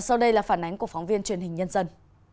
sau đây là phản ánh của phóng viên truyền hình nhân dân